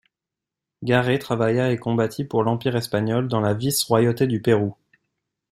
Garay travailla et combattit pour l’Empire espagnol, dans la vice-royauté du Pérou.